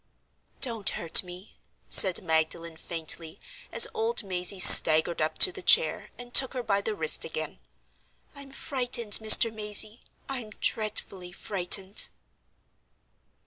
"Don't hurt me!" said Magdalen, faintly, as old Mazey staggered up to the chair, and took her by the wrist again. "I'm frightened, Mr. Mazey—I'm dreadfully frightened."